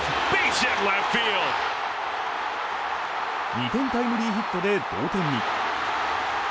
２点タイムリーヒットで同点に。